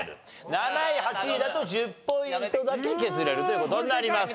７位８位だと１０ポイントだけ削れるという事になります。